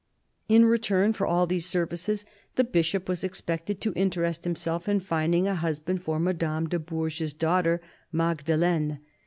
In return for all these services the Bishop was expected to interest himself in finding a husband for Madame de Bourges' daughter Magdeleine.